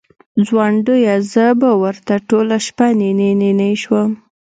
ځونډیه! زه به ورته ټوله شپه نینې نینې شوم